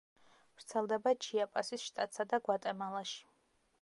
ვრცელდება ჩიაპასის შტატსა და გვატემალაში.